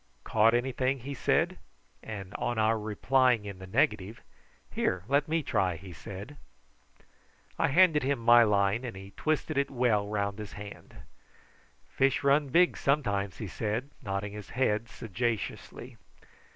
"Caught anything?" he said; and on our replying in the negative, "Here, let me try," he said. I handed him my line, and he twisted it well round his hand. "Fish run big, sometimes," he said, nodding his head sagaciously.